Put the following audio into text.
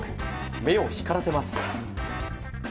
目を光らせます。